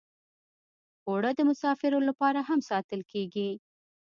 اوړه د مسافرو لپاره هم ساتل کېږي